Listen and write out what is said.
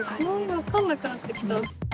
分かんなくなってきた。